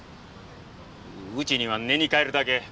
うちには寝に帰るだけ。